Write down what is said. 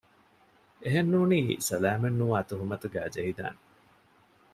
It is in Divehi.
އެހެން ނޫނީ ސަލާމަތްނުވާ ތުހުމަތުގައި ޖެހިދާނެ